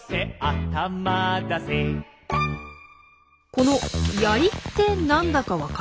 この「やり」って何だか分かりますか？